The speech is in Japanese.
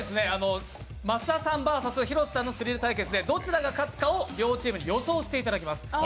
益田さんＶＳ広瀬さんの「スリル」対決でどちらが勝つのか両チームに予想をしていただきます。